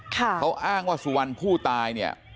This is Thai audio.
เขาอ้างว่าสุวรรค์ผู้ตาย